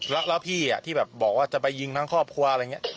แล้วพี่ที่แบบบอกว่าจะไปยิงทั้งครอบครัวอะไรอย่างนี้